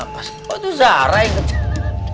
pas itu zara yang